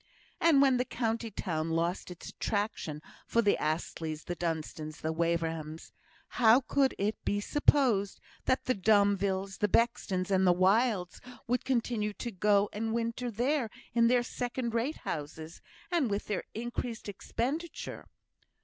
And when the county town lost its attraction for the Astleys, the Dunstans, the Waverhams, how could it be supposed that the Domvilles, the Bextons, and the Wildes would continue to go and winter there in their second rate houses, and with their increased expenditure?